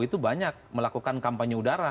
itu banyak melakukan kampanye udara